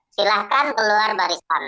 silahkan keluar barisan